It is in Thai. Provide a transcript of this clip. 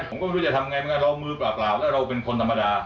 ผมก็ไม่รู้จะทำไงเมื่อเรามือเปล่าแล้วเราเป็นคนธรรมดา